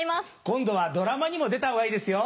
今度はドラマにも出たほうがいいですよ。